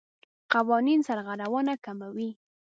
قوانین سرغړونه کموي.